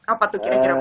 apa tuh kira kira bang